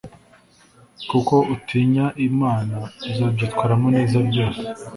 kuko utinya Imana azabyitwaramo neza byose